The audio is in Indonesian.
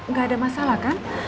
gak ada masalah kan